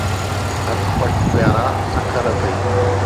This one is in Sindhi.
اک پَٽ، پيارا سکر اٿئي.